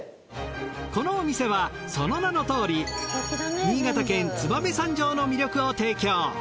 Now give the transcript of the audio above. このお店はその名のとおり新潟県燕三条の魅力を提供。